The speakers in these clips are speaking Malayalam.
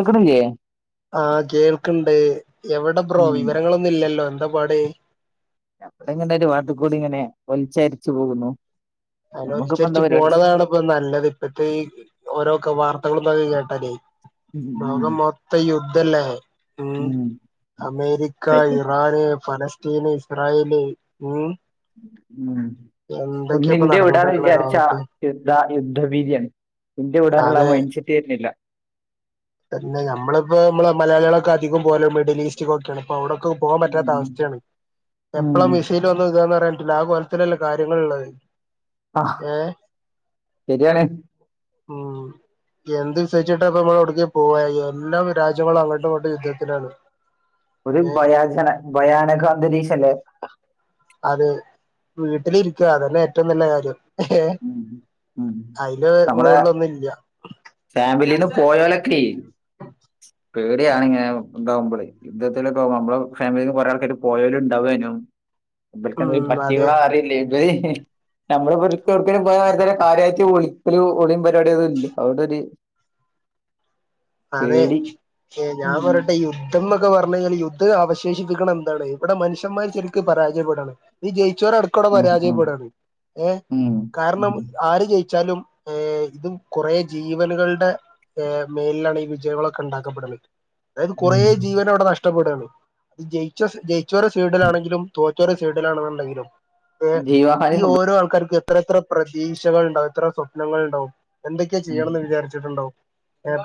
ഇട്ക്കണില്ലേ. ആഹ് കേൾക്ണ്ട് എവിടെ ബ്രോ ഉം വിവരങ്ങളൊന്നുല്ലല്ലോ എന്താ പാട്? ഞമ്മവിടെ ഒരു വാത്ത്ക്കൂടിങ്ങനെ വലിച്ചരിച്ചു പോകുന്നു. നമുക്കിപ്പോ എന്താ അങ്ങനര്ച്ചരിച് പരിപാടി പോണതാണ് ഇപ്പ നല്ലത് ഇപ്പത്തെ ഈ ഓരോക്കെ വാർത്തകളൊന്ന് കേട്ടാലേ. ഉം ഉം ലോകം മൊത്തം യുദ്ധല്ലേ ഉം അമേരിക്ക ഇറാന് ഫലസ് ത്തീനീ ഇസ്രായേല് ഉം എന്തൊ ഇന്ന് ഇന്ത്യ വിടാൻ വിചാരിച്ച യുദ്ധ യുദ്ധഭീതിയാണ് ഇന്ത്യ വിടാനുള്ള അതെ മൈൻഡ് സെറ്റ് ഇന്നില്ല പിന്നെ നമ്മളിപ്പോ നമ്മള് മലയാളികളൊക്കെ അധികം പോലോ മിഡിൽ ഈസ്റ്റൊക്കെയാണ് ഇപ്പൊ അവിടൊക്കെ പോകാൻ പറ്റാത്ത ഉം അവസ്ഥയാണ് എപ്പളാ ഉം മിസെല് വന്ന് ഇതാന്ന് പറയൻ പറ്റുല്ല ആഹ് കൊലത്തിലല്ലെ കാര്യങ്ങൾ ഉള്ളത് ആഹ് ശരിയാണ് ഉം എന്ത് വിശ്വസവച്ചിട്ട അപ്പ നമ്മൾവിടക്ക പോവാ എല്ലാം രാജ്യങ്ങളും അങ്ങോട്ടുംങ്ങട്ട് യുദ്ധത്തിലാണ് [inaudible] ഒരു ഭയാചന ഭയാനക അന്തരീക്ഷം അല്ലേ അതെ വീട്ടിലിരിക്കുക അതന്നെ ഏറ്റവും നല്ല കാര്യം ഏഹേ ഉം ഉം അയിൻ്റെ നമ്മളെ മുകളുകളിലൊന്നും ഇല്ല ഫാമിലിന്ന് പോയലൊക്കെ പേടിയണിനെ ഉണ്ടാവുമ്പോള് യുദ്ധത്തിലൊക്കെക നമ്മള് ഫാമിലി കുറെ ആൾക്കായിട്ട പോയാലും ഉണ്ടാവനും ഇങ്ങൾക്ക് ഉം അതെ പട്ടികളാ അറിയില്ലേ ഏഹ് ഇ നമ്മളക്കലും പോയ കാര്യമായിട്ട് ഒളിക്കൽ ഒളിയും പരിപാടിയും ഒന്നും ഇല്ല അവിടെരു അതെ ഞാൻ ഉം പറയട്ടെ ഈ യു യുദ്ധം എന്നക്കെ പറഞ്ഞു കഴിഞ്ഞാൽ യുദ്ധം അവശേഷിപ്പിക്കണം എന്താണ് ഇവിടെ മനുഷന്മാർ ശെരിക്ക് പരാജയപ്പെടാണ് ഈ ജയിച്ചവരടക്കം ഇവിടെ ഉം ഉം പരാജയപ്പെടാണ് ഏഹ് ഉം കാരണം ഉം ആര് ജയിച്ചാലും ഏഹ് ഇതും കുറെ ജീവനുകളുടെ മേലിലാണ് ഈ വിജയങ്ങളൊക്കെ ഉണ്ടാക്കപ്പെടുന്നത് അതായത് കുറെ ഉം ജീവനവിടെ നഷ്ടപ്പെടുകയാണ് അത് ജയിച്ച ജയിച്ചോരെ സൈഡിലാണെങ്കിലും തോറ്റോരെ സൈഡിലാണെന്നുണ്ടെങ്കിലും ജീവഹാനി ഈ സംഭവി ഓരോ ആൾക്കാർക്കും എത്ര എത്ര പ്രതീക്ഷകൾ ഉണ്ടാവും എത്ര സ്വപ്നങ്ങൾ ഉണ്ടാവും എന്തൊക്കെയാ ഉം ചെയ്യണന്ന് വിചാരിച്ചിട്ടുണ്ടോ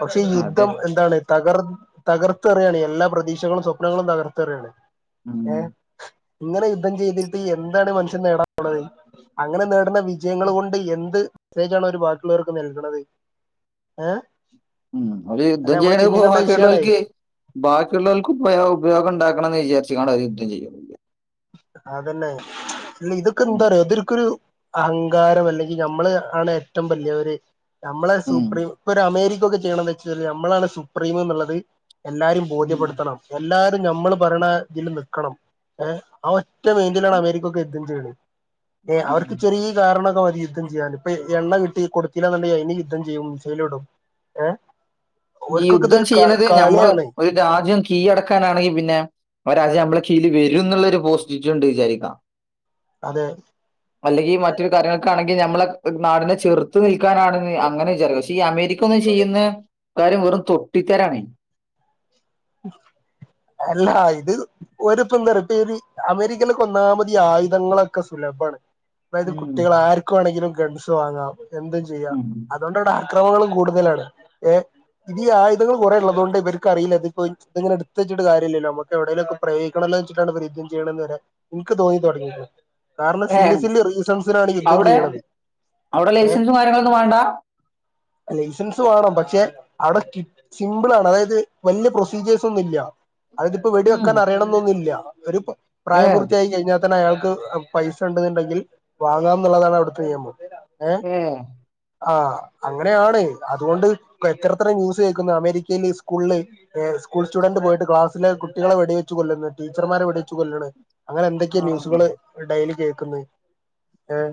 പക്ഷേ ഈ അതെ യുദ്ധം എന്താണ് തകർ തകർത്ത അറിയാണ് എല്ലാ പ്രതീക്ഷകളും സ്വപ്നങ്ങളും തകർത്തറിയയാണ് ഉം ഏഹ് ഇങ്ങനെ യുദ്ധം ചെയ്തിട്ട് എന്താണ് മനുഷ്യൻ നേടാൻ പോണത് അങ്ങനെ നേടുന്ന വിജയങ്ങൾ കൊണ്ട് എന്ത് മെസേജ് ആണ് ഓര് ബാക്കുള്ളവർക്ക് നൽകുന്നത് ഏഹ് ഉം അവര് അല്ല യുദ്ധം നമ്മള് ചെയ്യണെ ചിന്തിക്കേണ്ട ബാക്കിയുള്ളവർക്ക് വിഷയാണേ ബാക്കിയുള്ളവർക്കും ഉപയോഗം ഉണ്ടാക്കണം എന്ന് വിചാരിച്ചട്ടാണ് യുദ്ധം ചെയ്യുന്നത് അതന്നെ അല്ല ഇതൊക്കെ ഉം എന്താ പറയാ ഇതൊക്കൊരു അഹങ്കാരം അല്ലെങ്കിൽ ഞമ്മള് ആണ് ഏറ്റവും വലിയവര് നമ്മളെ ഉം സുപ്രീം ഇപ്പൊ ഒരു അമേരിക്ക ഒക്കെ ചെയ്യണന്ന് വെച്ചൽ നമ്മളാണ് സുപ്രീം എന്നുള്ളത് എല്ലാരും ഉം ബോധ്യപ്പെടുത്തണം എല്ലാരും ഞമ്മള് പറയണ ഇതിൽ നിൽക്കണം ഏഹ് ആഹ് ഒറ്റ വേണ്ടലാണ് അമേരിക്ക ഒക്കെ യുദ്ധം ചെയ്യുന്നത് ഏഹ് ഉം അവർക്ക് ചെറിയ ഈ കാരണൊക്കെ മതി യുദ്ധം ചെയ്യാന് ഇപ്പോ എണ്ണ കിട്ടി കൊടുത്തില്ലാന്നുണ്ടെങ്കിൽ അതിന് യുദ്ധം ചെയ്യും മിസേലും ഇടും ഏഹ് ഈ ഓർക്കൊക്കെ യുദ്ധം ഇതൊരു ക ചെയ്യണത് നമ്മള് കളിയാണ് ഒരു രാജ്യം കീഴടക്കാനാണെങ്കിൽ പിന്നെ അവരാജ്യം നമ്മളെ കീഴിൽ വരും എന്നുള്ളരു പോസ്റ്റിട്ടുണ്ട് വിചാരിക്കാം അതെ അല്ലെങ്കിൽ മറ്റൊരു കാര്യങ്ങളൊക്കൊണെങ്കിൽ ഞമ്മളെ നാടിനെ ചെർത് ത്തു നിൽക്കാനാണെന്ന് അങ്ങനെ വിചാരിക്കാം പക്ഷെ ഈ അമേരിക്ക ഒന്ന് ചെയ്യുന്ന കാര്യം വെറും തൊട്ടിത്തരണേ എല്ല ഇത് ഒരുപ്പ എന്ത അറിയോ പേരി അമേരിക്കയിലേക്ക് ഒന്നാമത് ഈ ആയുധങ്ങളൊക്കെ സുലഭണ് അതായത് ഉം. കുട്ടികൾ ആർക്കും വേണെങ്കിലും ഗൻസ് വാങ്ങാം എന്തും ചെയ്യാം ഉം. അതുകൊണ്ട് ഇവിടെ അക്രമങ്ങളും കൂടുതലാണ് ഈ ആയുധങ്ങൾ കുറെള്ളതുകൊണ്ട് ഇവർക്ക് അറിയില്ല ഇ ഇങ്ങന എടുത്ത് വച്ചിട്ട് കാര്യല്ലല്ലോ നമുക്ക് എവിടേലൊക്കെ പ്രയോഗിക്കാണല്ലോ വെച്ചിട്ടാണ് യുദ്ധം ചെയ്യണന്ന് വരെ ഉനക്ക് തോന്നി തുടങ്ങി കാരണം ഏ സില്ലി സില്ലി റീസൺസിനാണ് ഈ യുദ്ധം അവിടെ ചെയ്യണത് അവിടെ ഏയ് ലൈസൻസും കാര്യങ്ങളൊന്നും വേണ്ട ലൈസൻസ് വേണം പക്ഷെ അവിടെ സിംമ്പിൾ ആണ് അതായത് വലിയ പ്രോസ ജേസൊന്നുല്ല അതിപ്പോ ഉം. വെടിവെക്കാൻ അറിയണന്നൊന്നില്ല. ഒരു പ് ഏ പ്രായപൂർത്തിയായി കഴിഞ്ഞാ തെന്നെ അയാൾക്ക് പൈസണ്ട്ന്നിണ്ടെങ്കിൽ വാങ്ങാം ന്നുള്ളതാണ് അവിടുത്തെ നിയമം. ഏഹ് ഏ ആഹ് അങ്ങനെ ആണ് അതുകൊണ്ട് ക്ലെച്ചെറത്ര ന്യൂസ് കേക്കുന്നു അമേരിക്കീല് സ്കൂളില്. എഹ് സ്കൂൾ സ്റ്റുഡന്റ് പോയിട്ട് ക്ലാസിലെ കുട്ടികളെ വെടിവെച്ച് കൊല്ല്ന്ന് ടീച്ചർമാരെ വെടിച്ച് കൊല്ല്ണ്. ആ അങ്ങനെന്തൊക്കെയെ ന്യൂസുകള് ഡെയിലി കേക്കുന്ന്. ഏഹ്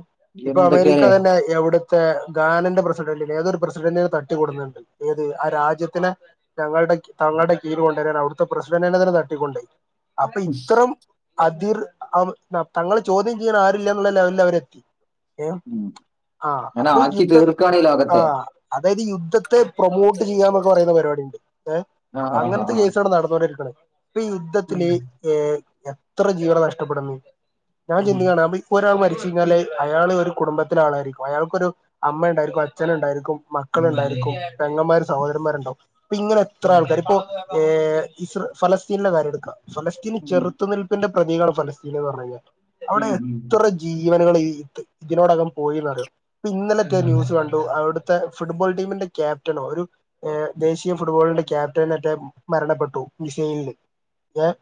ഇപ്പൊ അമേരിക്ക എന്തൊക്കെയല്ലേ തന്നെ എവിടുത്തെ ഗാനന്റെ പ്രസിഡന്റിനെ ഏതോരു പ്രസിഡന്റിന് തട്ടിക്കൊടുന്നുണ്ട് ഏത് ആ രാജ്യത്തിനെ ഞങ്ങളുടെ തങ്ങളുടെ കീഴിൽ കൊണ്ടരാൻ അവിടുത്തെ പ്രസിഡന്റിനെ തന്നെ തട്ടിക്കൊണ്ടോയി. അപ്പൊ ഇത്രം അതിർ അവ് ന തങ്ങളെ ചോദ്യം ചെയ്യാൻ ആരുല്ലെന്നുള്ള ലെവലിൽ അവരെത്തി. ഏഹ് ഉം. ആഹ് ഞാൻ അപ്പൊ ആക്കി യുദ്ധം തീർക്കാണ് ഈ ലോകത്തെ ആഹ് അതായത് യുദ്ധത്തെ പ്രൊമോട്ട് ചെയ്യാന്നൊക്കെ പറയുന്ന പരിപാടിണ്ട് ഏഹ്. ആ ആ ആ അങ്ങൻത്തെ കേസാണ് നടന്നോണ്ടിരിക്ണ്. ഇപ്പൊ ഉം. യുദ്ധത്തില് ഏഹ് എത്ര ജീവന നഷ്ടപ്പെടുന്നെ ഞാൻ ഉം. ജിമ്മിയാണാപൊയി. ഇപ്പോരാൾ മരിച്ചഴിഞ്ഞാല് അയാൾ ഒരു കുടുംബത്തിലെ ആളായിരിക്കും. അയാൾക്കൊരു അമ്മ ഉണ്ടായിരിക്കും, അച്ഛനുണ്ടായിരിക്കും. ഉം. ഉം. മക്കളുണ്ടായിരിക്കും, പെങ്ങന്മാര്, സഹോരന്മാരുണ്ടാവും ഇപ്ങ്ങനെ എത്രാൾക്കാർ ഉം. ഏഹ് ഇസ് ഫലസ്തീനിലെ കാര്യടുക്ക ഫലസ്തീന് ചെറുത്ത് ഉം. നിൽ പ്പിന്റെ പ്രതീകാണ് ഫലസ്തീനെന്ന് പറഞ്ഞഴിഞ്ഞാൽ അവിടെ ഉം. എത്ര ഈവനുകൾ ഇത് ഇതിനോടകം പോയിന്നറിയോ ഇപ്പൊന്നലത്തെ ന്യൂസ് കണ്ടു അവ്ട് ത്തെ ഫുട്ബോൾ ടീമിന്റെ ക്യാപറ്റനോ ഒരു ഏഹ് ദേശീയ ഫുട്ബോളിന്റെ ക്യാപ് റ്റെനെറ്റ മരണപ്പെട്ടു മിസൈലില് ഏഹ്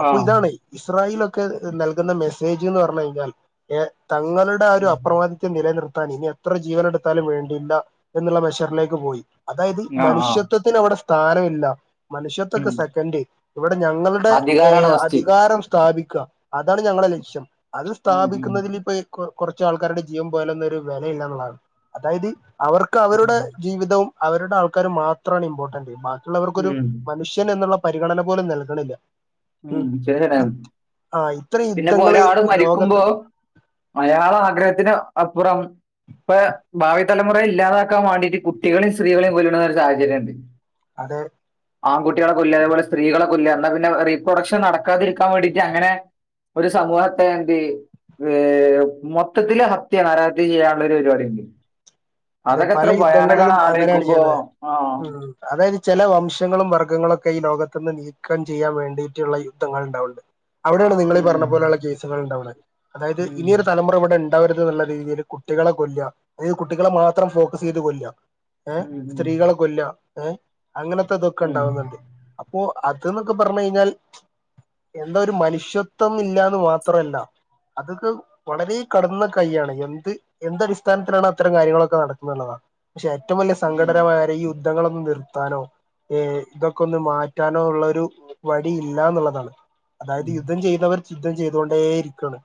അപ്പൊ ഇതാണ്. ഇസ്രായീലൊക്കെ നൽകുന്ന മെസ്സേജ് ന്ന് പറഞ്ഞഴിഞ്ഞാൽ എഹ് തങ്ങളുടെ ആ ഒരു അപ്രൊ നിലനിർത്താൻ ഇനി എത്ര ജീവനെടുത്താലും വേണ്ടില്ല എന്നുള്ള മെഷറ്ലേക്ക് പോയി. അതായത് മനുഷ്യത്വത്തിനവിടെ സ്ഥാനമില്ല. മനുഷ്യത്ക്കെ സെക്കൻ്റ്. ഇവിടെ ഞങ്ങളുടെ അധികാരാണ് ഏഹ് ഫസ്റ്റ്. അധികാരം സ്ഥാപിക്ക അതാണ് ഞങ്ങളെ ലക്ഷ്യം. അത് ഉം. ഉം. സ്ഥാപിക്കുന്നതിൽ ഇപ്പ കൊർ കൊറ്ച്ചാൾക്കാരുടെ ജീവം പോയലൊന്നും ഒരു വെലയില്ലാന്നുള്ളതാണ് അതായത് അവർക്ക് അവരുടെ ജീവിതവും അവരുടെ ആൾക്കാരു മാത്രാണ് ഇമ്പോർട്ടന്റ് ബാ ഉള്ളവർക്കൊരു ഉം. മനുഷ്യൻ എന്നുള്ള പരിഗണന പോലും നൽകണില്ല. ഉം [unintelligible] ആ ഇത്ര പിന്നെപ്പോ യുദ്ധങ്ങള് ഒരാള് ലോകത്ത് മരിക്കുമ്പോ അയാളാഗ്രഹത്തിന് അപ്പുറാവും. ഇപ്പൊ ഭാവി തലമുറയില്ലാതാക്കാൻ വാണ്ടീട്ട് കുട്ടികളെം സ്ത്രീകളെം കൊല്ലുണ ഒരു സാഹചര്യണ്ട്. അത് ആൺകുട്ടിയാളെ കൊല്ല, അതേപോലെ സ്ത്രീകളെ കൊല്ല ഇന്നാ പിന്നെ റീപ്രൊഡക്ഷൻ നടക്കാതിരിക്കാൻ വേണ്ടീട്ട് അങ്ങനെ ഒരു സമൂഹത്തെ ന്തെ ഏഹ് മൊത്തത്തില് ഹത്യാണ് ആരാഹത്യ ചെയ്യാനുള്ള ഒരു പരിപാടിണ്ട്. അതെ അതൊക്കെ പല എത്ര യുദ്ധങ്ങളിലും ഭയാനകാണ് അങ്ങനെയാണ് ആലോയിക്കുമ്പോ ചെയ്യുന്നത് ആഹ്. ഉം അതായത് ചെല വംശങ്ങളും വർഗ്ഗങ്ങളൊക്കെ ഈ ലോകത്ത്ന്ന് നീ ക്കം ചെയ്യാൻ വേണ്ടീട്ടുള്ള യുദ്ധങ്ങൾ ണ്ടാവുണ്ട്. അവിടെണ് നിങ്ങൾ ഈ ഉം. പറഞ്ഞ പോലുള്ള കേസുകൾ ഉണ്ടാവ്ണെ. അതായത് ഉം. ഇനിയൊരു തലമുറ ഇവിടെൺ ണ്ടാവരുത് ന്ന്ള്ള രീതീല് കുട്ടികളെ കൊല്ലാ അതായത് കുട്ടികളെ മാത്രം ഫോക്കസെയ്ത് കൊല്ലാ ഏഹ് ഉം ഉം സ്ത്രീകളെ കൊല്ലാ ഏഹ് അങ്ങനത്തെ ഇതൊക്കെ ഉം ഇണ്ടാവുന്നുണ്ട്. അപ്പോ അത് ന്നൊക്കെ പർഞ്ഞഴിഞ്ഞാൽ എന്താ ഒരു മനുഷ്യത്വം ഇല്ലാന്ന് മാത്രല്ല അതൊക്കെ വളരെ കട്ന്ന കൈയ്യാണ് എന്ത് എന്തടിസ്ഥാനത്തിലാണ് അത്തരം കാര്യങ്ങളൊ ക്കെ നടക്കുന്നുള്ളതാ. പക്ഷേ ഏറ്റവും വല്ല്യ സങ്കടകരമായാര്യം ഈ യുദ്ധങ്ങളൊന്നു നിർത്താനോ ഏഹ് ഇതൊക്കൊന്ന് മാറ്റാനോ ഉള്ളൊരു വഴി ഇല്ലാന്നുള്ളതാണ്. അതായത് ഉം യുദ്ധം ചെയ്യുന്നവർ യുദ്ധം ചെയ്തൊണ്ടേ ഇരിക്കാണ്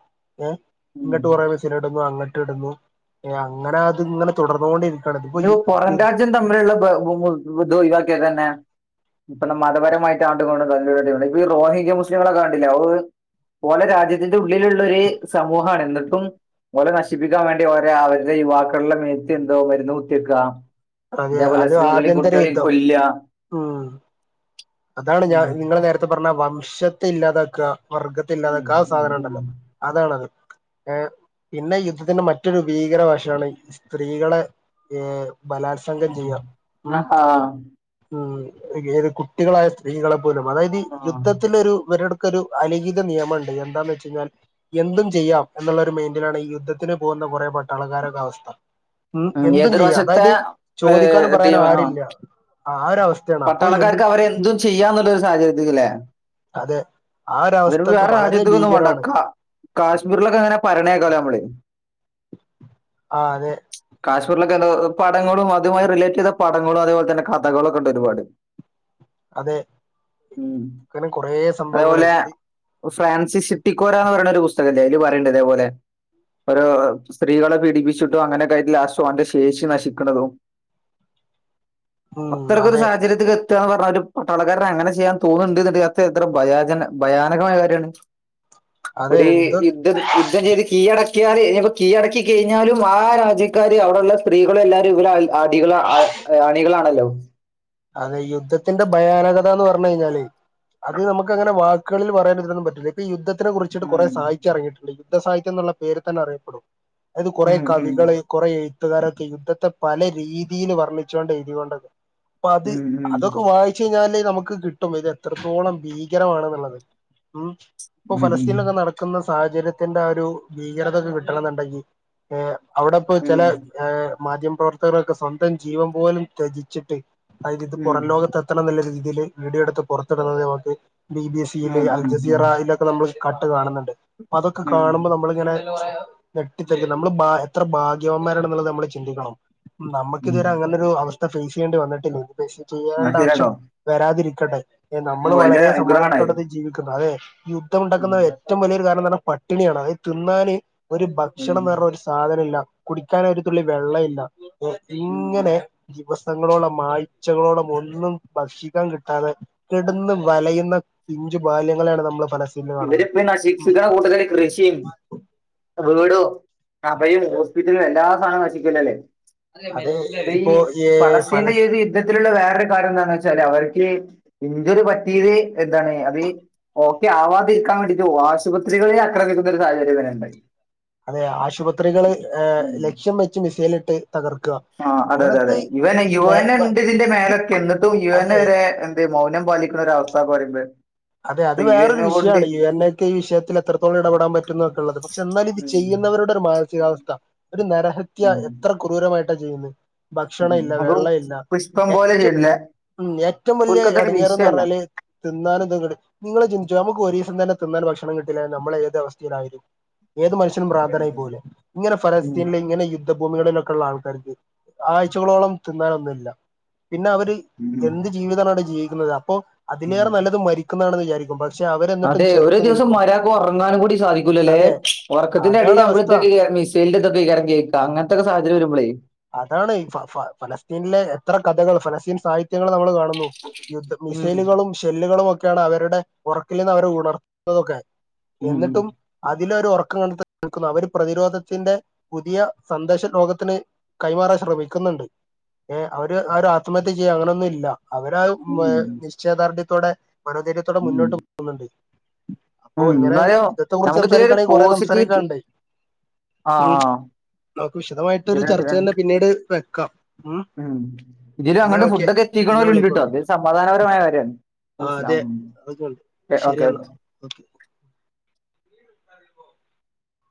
ഏഹ് ഉം ഇങ്ങട്ട് കൊറേ ട്ടിടുന്നു അങ്ങിട്ട്ടുന്നു എഹ് അങ്ങനെ ആത്ങ്ങനെ തുടർന്നോണ്ടിരി ഇനിപ്പോ പൊറം രാജ്യം തമ്മിലുള്ള വെ വ് വ് വുദ്ദൊഴിവാക്കിയ തന്നെ ഇപ്പൊ മതപരമായിട്ടാണ്ട് [unintelligible] റോഹിഗ്യ മുസ്ലിങ്ങളൊക്കെ കണ്ടില്ലേ [unintelligible] ഓലെ രാജ്യത്തിന്റെ ഉള്ളിലുള്ളൊരു സമൂഹാണ്ന്നിട്ടും ഓലെ നശിപ്പിക്കാൻ വേണ്ടി ഓരെ അവരുടെ യുവാക്കളുടെ മേത്ത് എന്തോ മരുന്ന് കുത്തിവെക്കാ അതെ അത് ആഭ്യന്തര യുദ്ധം ഉം അതാണ് ഞാ ഉം നിങ്ങൾ നേര സത്യം പറഞ്ഞ വംശത്തെ ഇല്ലാതാക്കാ വർഗത്തെ ഉം ഇല്ലാതാക്കാ ആ ഉം ഉം സാധനംണ്ടല്ലോ ഉം. അതാണത് ഏ പിന്നെ യുദ്ധത്തിന്റെ മറ്റൊരു ഭീകര വശാണ് സ്ത്രീകളെ ഏ ബലാത്സംഗം ചെയ്യാം ആ ഉം ആ ഉം ഏത് കുട്ടികളായ സ്ത്രീകളെപ്പോലും അതായത് ഈ ആ. യുദ്ധത്തിലൊരു വെരട് ക്കൊരു അലിഖിത നിയമണ്ട് എന്താന്ന് വെച്ച് കഴിഞ്ഞാൽ എന്തും ചെയ്യാം എന്നുള്ളൊരു മൈന്റിലാണ് ഈ യുദ്ധത്തിന് പോകുന്ന കുറെ പട്ടാളുകാരെ ഒക്കെ അവസ്ഥ ഉം എന്തും ചെയ്യാ അതായത് ചോദിക്കാനും ഏഹ്, ടീം പറയാനും ആ, ആരില്ല ആ ഒരവസ്ഥയാണ് പട്ടാളക്കാർക്ക് അവരെ എന്തും ചെയ്യാന്നുള്ളൊരു സാഹചര്യത്തിക്ക് ല്ലേ അതെ ആ ഒരു അയ്ന് ഇപ്പൊ അവസ്ഥക്കെ വേറെ വളരെ രാജ്യത്ത്ക്ക് ഒന്നും പോണ്ട ഭീകരമാണ് ക കാശ്മീരിലൊക്കങ്ങനെ പറിണേക്കാലൊ നമ്മള് ആഹ് അതെ കാശ്മീരിലൊക്കെ എന്താ പടങ്ങളും അതുമായി റിലേറ്റ് ചെയ്ത പടങ്ങളും അതെപോലെ തന്നെ കഥകളും ഒക്കെ ഉണ്ട് ഒരുപാട് അതെ ഉം. ഇങ്ങനെ കൊറേ സംഭവങ്ങളേയ് ഫ്രാൻസിസിട്ടിക്കോരാ എന്ന് പറയുണ ഒരു പുസ്തകല്ലേ അയ്ല് പറയ്ണ്ട് ഇതെപോലെ ഓരോ സ്ത്രീകളെ പീഡിപ്പിച്ചിട്ടും അങ്ങനെ ഒക്കെ ആയിട്ടും ഓന്റെ ശേഷി നശിക്ക്ണതും ഉം അത്തരത്തിലൊരു അതെ സാഹചര്യത്തിക്കെ ത്താ പർഞ്ഞാ ഒരു പട്ടാളക്കാരന് അങ്ങനെ ചെയ്യാൻ തോന്നുന്നുണ്ട് എത്ര ഭയാഗന ഭയാനകമായ കാര്യമാണ് അതെ ഒരു ഇത് യുദ്ധം യുദ്ധം ചെയ്ത് കീഴടക്കിയാൽ ഇഞ്ഞിപ്പോ കീഴടക്കി കഴിഞ്ഞാലും ആ രാജ്യക്കാര് അവിടെള്ള സ്ത്രീകള് എല്ലാരും ഇവരെ അടികൾ അണികളാണല്ലോ അതെ യുദ്ധത്തിന്റെ ഭയാനകത എന്ന് പറഞ്ഞ് കഴിഞ്ഞാല് അത് നമുക്ക് അങ്ങനെ വാക്കുകളിൽ പറയാനും ഇതിനൊന്നും പറ്റൂല ഇപ്പൊ ഈ യുദ്ധത്തിനെ കുറി ചിട്ട് കുറേ ഉം, സഹിത്യം ഇറങ്ങിട്ടുണ്ട് യുദ്ധ സാഹിത്യം എന്നുള്ള പേര് തന്നെ അറിയപ്പെടും അതായത് കുറേ ഉം, ഉം, കവികള് കുറെ എഴുത്തുകാരൊക്കെ യുദ്ധത്തെ പല രീതിയിൽ വർണ്ണിച്ചുകൊണ്ട് എഴ്തികൊണ്ടൊക്കെ അപ്പൊ അത് ഉം, ഉം, അ ഇതൊക്കെ വായിച്ച് കഴിഞ്ഞാല് നമുക്ക് കിട്ടും ഇത് എത്രത്തോളം ഭീകരമാണ്ന്നുള്ളത് ഉം. ഇപ്പൊ ഉം, ഉം, ഉം, ഫലസ്തീനിലൊക്കെ നടക്കുന്ന സാഹചര്യത്തിന്റെ ആ ഒരു ഭീകരതൊക്കെ കിട്ടണന്ന്ണ്ടെങ്കി ഏ അവിടെപ്പൊ ഉം, ഉം, ചെലേ ഏ മാധ്യമപ്രവർത്തകരൊക്കെ സ്വന്തം ജീവൻ പോലും ത്വജിച്ചിട്ട് അതിൽ ഇത് പുറം ഉം, ലോകത്തെത്താ ത്തണംന്ന്ല്ലെ രീതിയില് ചിന്തിക്കൽ വീഡിയോ എട്ത്തു പുറത്തിടുന്നതെ നമുക്ക് ബി ബി എസ് സിൽ അൽ ഉം, ജസീറയിലൊ ക്കെ നമ്മള് കട്ട് കാണുന്നുണ്ട് അപ്പ അതൊക്കെ ഉം, കാണുമ്പോ നമ്മളിങ്ങനേ ഞെട്ടിത്തരിക്കും നമ്മള് ഭാ എത്ര ഭാഗ്യവന്മാരാണെന്നുള്ളത് നമ്മള് ചിന്തിക്കണം ഉം. നമുക്കിതുവരെ അങ്ങനൊ രു അവസ്ഥ ഫേസ് ചെയ്യേണ്ടി വന്നിട്ടില്ല ഇഞ്ഞ് ഫേസ് എന്നാ ചെയ്യേണ്ട ആവശ്യം ശരിയാട്ടോ വരാതിരിക്കട്ടെ നമ്മള് വലിയ വളരെ അനുഗ്രഹമാണ് ഇത്. സമാധാനത്തോടത് ജീവിക്കുന്നത് അതെ ഈ യുദ്ധം ഉം, ഉണ്ടാക്കുന്ന ഏറ്റവും വലിയൊരു കാരണംന്ന് പറഞ്ഞാ പട്ടിണിയാണ് അത് തിന്നാന് ഒരു ഉം, ഭക്ഷണംന്ന് പറഞ്ഞ ഒരു സാധനം ഇല്ല കുടിക്കാനായി ഒരുതുള്ളി വെള്ള ഇല്ല ഉം. ഇങ്ങനെ ദിവസങ്ങളോളം ആഴ്ചകളോളം ഒന്നും ഭക്ഷിക്കാൻ കിട്ടാതെ കെട്ന്ന് വലയുന്ന പിഞ്ചു ബാല്യങ്ങളെയാണ് നമ്മള് ഫലസ് ഇവര് പ നശിപ്പിക്കുന്ന കൂട്ടത്തില് കൃഷിയും വീടും അഭയും ഹോസ്പിറ്റലും എല്ലാം സാധനോം നശിക്കില്ലല്ലേ അത് ഇപ്പ ഈ ഇപ്പോ ഏ പലസ്തീൻന്റെ ഫലസ് [unintelligible] ഇത്തരത്തിലുള്ള വേറൊരു കാരണം എന്താന്ന് വെച്ചാല് അവർക്കീ ഇഞ്ചുറി പറ്റിയത് എന്താണ് അതീ ഓക്കെ ആവാതിരിക്കാൻ വേണ്ടിട്ട് ആശുപത്രികളിൽ ആക്രമിക്കുന്നൊരു സാഹചര്യം വരെണ്ടായി അതെ ആശുപത്രികള് ഏഹ് ലക്ഷ്യം വെച്ച് മിസൈൽ ഇട്ട് തകർക്കാ ആഹ് അതെ അതെ അതെ യുവ യു എൻ എ ഇണ്ട് ഇതിന്റെ മേലെക്കെ എന്നിട്ടും യു എൻ എ അതെ വരെ തെ മൗനം പാലിക്കുന്ന ഒരു അവസ്ഥ പറയുമ്പേ അതെ അത് വേറൊരു വിഷയാണ് ഈ യൂ എൻ ക്കെ ഈ വിഷയത്തില് എത്രത്തോളം ഇടപെടാൻ പറ്റുംന്നോക്കെ ഇള്ളത് പക്ഷെ എന്നാൽ ഇത് ഉം ചെയ്യുന്നവരുടെ ഒരു മാനസികാവസ്ഥ ഒരു നരഹത്യ ഉം എത്ര ക്രൂരമായിട്ടാ ചെയ്യുന്നെ ഭക്ഷണ ഉം ഇല്ല അതും വെള്ളവില്ല പുഷ്പം പോലെ ഏറ്റോം ചെയ്യണില്ല ഉം ഏറ്റവും വലിയ ഓൽക്കതൊരു എടങ്ങേറെന്ന് വിഷയമല്ല പറഞ്ഞാല് തിന്നാനും ഇത്‌ നിങ്ങള് ചിന്തിച്ചൊ നമുക്ക് ഒരീസം തന്നെ തിന്നാൻ ഭക്ഷണം കിട്ടില്ലന്നാ നമ്മള് ഏത് അവസ്ഥയിലായിരിക്കും ഏത് മനുഷ്യ ഭ്രാന്തനായി പോവൂലെ ഇങ്ങെനെ ഉം ഫലസ്തീനിൽ ഇങ്ങനെ യു ദ്ധ ഭൂമികളിലൊക്കെ ഉള്ള ആൾക്കാർക്ക് ആഴ്ച്ചകളോളം തിന്നാനൊന്നുല്ല പിന്നെ അവര് ഉം എന്ത് ജീവിതാണവടെ ജീവിക്കുന്നത് അപ്പോ ഉം അതിലേറെ നല്ലത് മരിക്കുന്നാണെന്ന് വിചാരിക്കും പ അതെ ഒരോ ദിവസം മര്യാദക്ക് ഒറങ്ങാനും കൂടി സാധിക്കൂല്ലല്ലേ അതെ അതാണ് ഉറക്കത്തിന്റെടിയിൽ അവസ്ഥ നമ്മളിതക്കല്ലേ മിസ് സൈലിന്റെ ഇതൊക്കെകാരം കേക്കാ അങ്ങനത്തെക്ക സാഹചര്യം വരുമ്പളേ അതാണ് ഫ ഫ ഫലസ്തീനിലെ എത്ര കഥകൾ ഫലസ്തീൻ സാഹിത്യങ്ങൾ നമ്മള് കാണുന്നു യുദ്ധ ഉം. മിസൈലുകളും ഷെല്ലുകളും ഒക്കെയാണ് അവരുടെ ഉറക്കിൽ നിന്ന് അവരെ ഉണർത്തുന്നതൊക്കെ ഉം. എന്നിട്ടും അതിലൊരു ഉറക്കം കണ്ട [unintelligible] നിൽക്കുന്നു അവര് പ്രതിരോധത്തിന്റെ പുതിയ സന്ദേശം ലോകത്തിന് കൈമാറാൻ ശ്രമിക്കുന്നെണ്ട് ഏഹ് അവര് ആ ഒര് ആത്മഹത്യ ചെയ്യാ അങ്ങനൊന്നും ഇല്ല അവരാ മ് ഉം. നിശ്ചയദാർഢ്യത്തോടെ മനോധൈര്യത്തോടെ ഉം. മുന്നോട്ട് പോ ന്നെണ്ട് അപ്പൊ ഉം. ഇങ്ങനെ എന്നാലും ഇതത്തെ കുറിച്ച് നമുക്ക് ഇതിലൊരു സംസാരിക്കാണെങ്കി കൊറേ പോസിറ്റീവ് സംസാരിക്കാനെണ്ട് ആ ഉം ആ, നമുക്ക് വിശദമായിട്ടൊരു ശരിയാണ് ചർച്ച ശരിയാണ്. തന്നെ പിന്നീട് വെക്കാം ഉം ഇതിലും എന്നാ അങ്ങട്ട് ഓക്കെ ഫുഡൊക്കെ പിന്നെ എത്തിക്ക്ണോലിണ്ടിട്ടോ വിളിക്കോണ്ട് അത് സമാധാനപരമായ കാര്യാണ് ആ സ്സലാം അതെ എഹ് ഓക്കെ വെച്ചോ ഓക്കേ